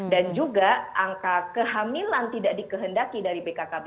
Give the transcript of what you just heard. dan juga angka kehamilan tidak dikehendaki dari bkkbn